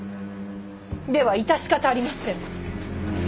では致し方ありません。